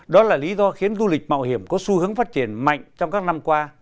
đó là lý do khiến du lịch mạo hiểm có xu hướng phát triển mạnh trong các năm qua